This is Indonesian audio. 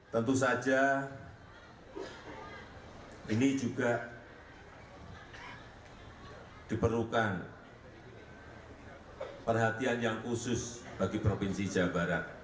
tentu saja ini juga diperlukan perhatian yang khusus bagi provinsi jawa barat